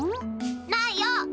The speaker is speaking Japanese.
ないよ。